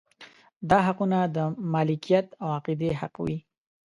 دا حقونه د مالکیت او عقیدې حق وي.